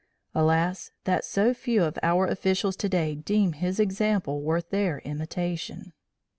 Alas, that so few of our officials today deem his example worth their imitation.